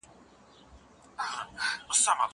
زه به سندري اورېدلي وي!